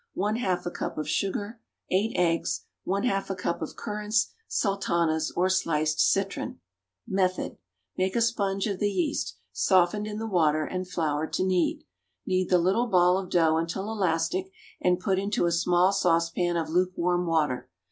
1/2 a cup of sugar. 8 eggs. 1/2 a cup of currants, sultanas or sliced citron. Make a sponge of the yeast, softened in the water, and flour to knead. Knead the little ball of dough until elastic, and put into a small saucepan of lukewarm water.